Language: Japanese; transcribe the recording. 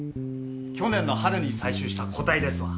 去年の春に採集した個体ですわ。